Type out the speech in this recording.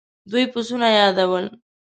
دوی پسونه يادول.